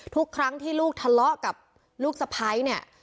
ทุกครั้งที่ลูกทะเลาะกับลูกสะพ้ายเนี่ย